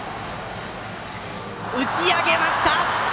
打ち上げました。